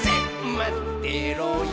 「まってろよ！」